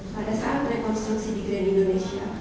pada saat rekonstruksi di grand indonesia